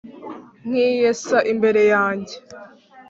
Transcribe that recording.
nkiyesa imbere yanjye!